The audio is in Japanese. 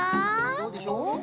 どうでしょう？